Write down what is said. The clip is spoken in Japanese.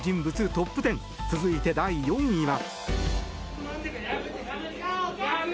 トップ１０続いて第４位は。